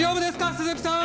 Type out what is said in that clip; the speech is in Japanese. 鈴木さーん